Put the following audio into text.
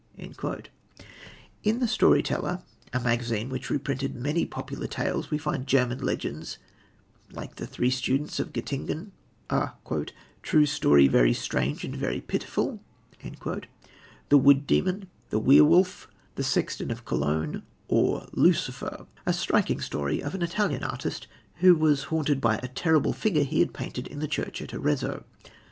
In The Story Teller, a magazine which reprinted many popular tales, we find German legends like The Three Students of Göttingen, a "True Story Very Strange and Very Pitiful"; The Wood Demon; The Wehr Wolf; The Sexton of Cologne, or Lucifer, a striking story of an Italian artist who was haunted by a terrible figure he had painted in the church at Arezzo.